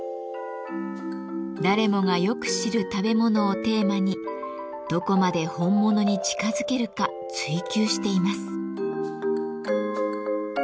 誰もがよく知る食べ物をテーマにどこまで本物に近づけるか追求しています。